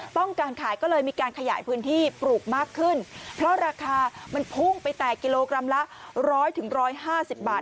ต้องการขายก็เลยมีการขยายพื้นที่ปลูกมากขึ้นเพราะราคามันพุ่งไปแต่กิโลกรัมละร้อยถึง๑๕๐บาท